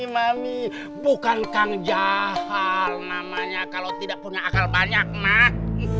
mami bukan kang jaha namanya kalau tidak punya akal banyak nak